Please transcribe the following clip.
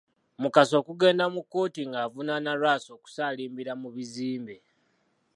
Mukasa okugenda mu kkooti ng’avunaana Lwasa okusaalimbira mu bizimbe.